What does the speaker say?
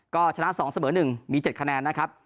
ก็ชนะ๒เสมอ๑มี๗คะแนนนะครับ